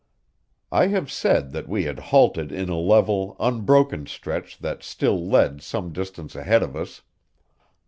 I have said that we had halted in a level, unbroken stretch that still led some distance ahead of us.